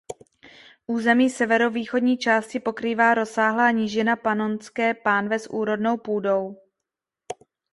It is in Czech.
Území severovýchodní části pokrývá rozsáhlá nížina Panonské pánve s úrodnou půdou.